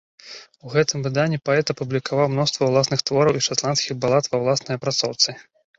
У гэтым выданні паэт апублікаваў мноства ўласных твораў і шатландскіх балад ва ўласнай апрацоўцы.